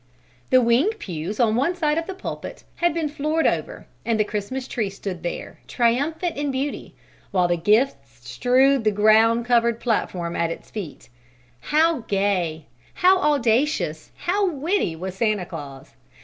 The wing pews on one side of the pulpit had been floored over and the Christmas Tree stood there, triumphant in beauty, while the gifts strewed the green covered platform at its feet. How gay, how audacious, how witty was Santa Claus!